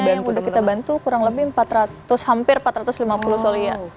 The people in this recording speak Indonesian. yang udah kita bantu kurang lebih empat ratus hampir empat ratus lima puluh solia